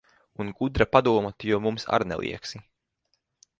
Un gudra padoma tu jau mums ar neliegsi.